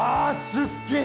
すっげえ